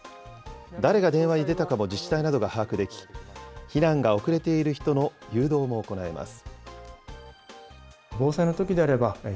誰が電話に出たかも自治体などが把握でき、避難が遅れている人の誘導も行えます。